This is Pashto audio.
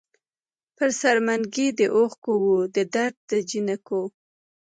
پر سر منګي د اوښکـــــو وو د درد دجینکــــو